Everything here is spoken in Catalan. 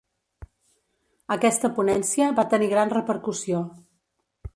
Aquesta ponència va tenir gran repercussió.